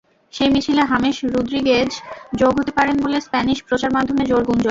সেই মিছিলে James Rodriguez যোগ হতে পারেন বলে স্প্যানিশ প্রচারমাধ্যমে জোর গুঞ্জন।